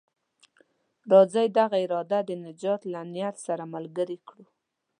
راځئ دغه اراده د نجات له نيت سره ملګرې کړو.